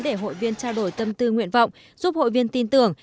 để hội viên trao đổi tâm tư nguyện vọng giúp hội viên tin tưởng